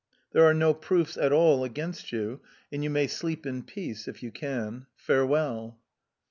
There are no proofs at all against you, and you may sleep in peace... if you can.... Farewell!"...